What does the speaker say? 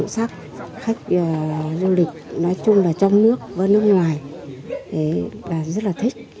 các khách du lịch nói chung là trong nước và nước ngoài là rất là thích